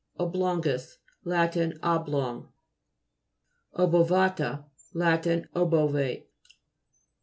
OBLO'NGUS Lat. Oblong. OBOVA'TA Lat. Obovate.